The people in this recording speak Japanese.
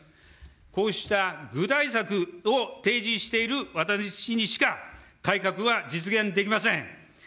こうした具体策を提示している私にしか、改革は実現できません。